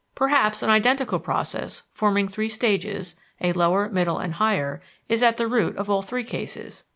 Perhaps an identical process, forming three stages a lower, middle, and higher is at the root of all three cases.